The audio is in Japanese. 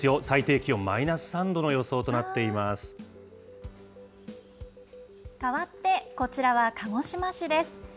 最低気温マイナス３度の予想となかわって、こちらは鹿児島市です。